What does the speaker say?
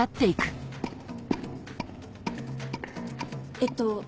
えっと